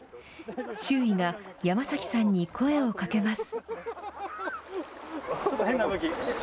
周囲が山崎さんに声をかけます。